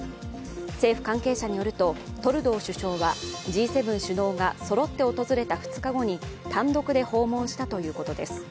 政府関係者によるとトルドー首相はＧ７首脳がそろって訪れた２日後に単独で訪問したということです。